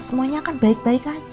semuanya akan baik baik aja